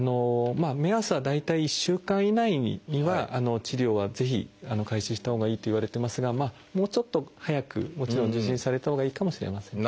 目安は大体１週間以内には治療はぜひ開始したほうがいいといわれてますがもうちょっと早くもちろん受診されたほうがいいかもしれませんね。